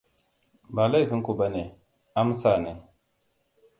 Ba laifin ku bane, Amsa ne.